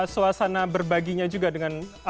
suasana berbaginya juga dengan